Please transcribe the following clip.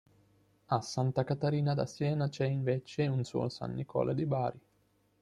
A Santa Caterina da Siena c'è, invece, un suo "San Nicola di Bari".